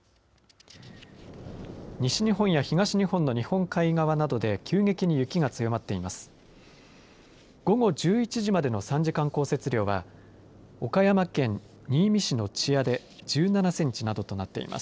西日本や東日本の日本海側などで急激に雪が強まっています。